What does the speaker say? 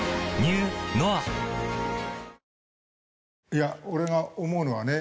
いや俺が思うのはね